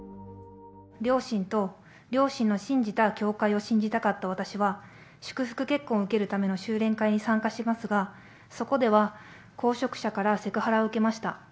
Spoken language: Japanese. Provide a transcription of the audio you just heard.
両親と、両親の信じた教会を信じたかった私は、祝福結婚を受けるための修練会に参加しますが、そこでは、公職者からセクハラを受けました。